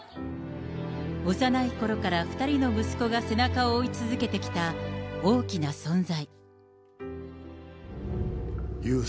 幼いころから２人の息子が背中を追い続けてきた大きな存在。